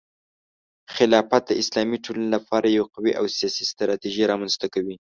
خلافت د اسلامي ټولنې لپاره یو قوي او سیاسي ستراتیژي رامنځته کوي.